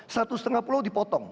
satu setengah pulau dipotong